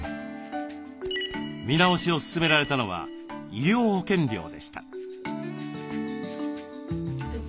見直しを勧められたのは医療保険料でした。